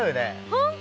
本当？